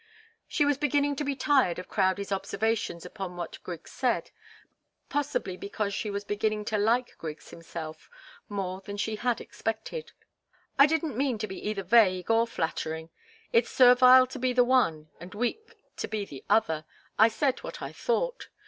She was beginning to be tired of Crowdie's observations upon what Griggs said possibly because she was beginning to like Griggs himself more than she had expected. "I didn't mean to be either vague or flattering. It's servile to be the one and weak to be the other. I said what I thought.